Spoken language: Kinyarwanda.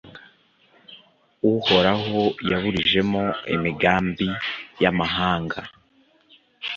uhoraho yaburijemo imigambi y'amahanga